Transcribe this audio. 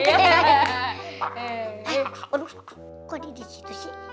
kau di disitu sih